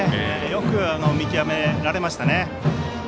よく見極められましたね。